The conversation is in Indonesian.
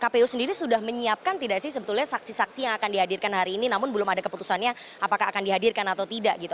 kpu sendiri sudah menyiapkan tidak sih sebetulnya saksi saksi yang akan dihadirkan hari ini namun belum ada keputusannya apakah akan dihadirkan atau tidak gitu